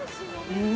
うん！